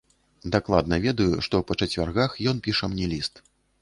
Дакладна ведаю, што па чацвяргах ён піша мне ліст.